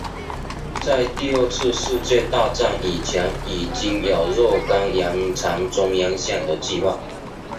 在第二次世界大战以前已经有若干延长中央线的计划。